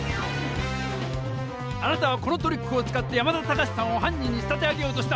あなたはこのトリックを使って山田タカシさんを犯人に仕立て上げようとした！